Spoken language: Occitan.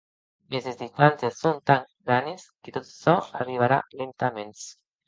Mès es distàncies son tan granes que tot açò arribarà lentaments.